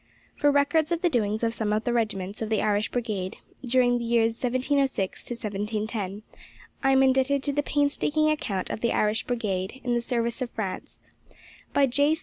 For records of the doings of some of the regiments of the Irish Brigade, during the years 1706 1710, I am indebted to the painstaking account of the Irish Brigade in the service of France, by J.